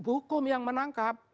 hukum yang menangkap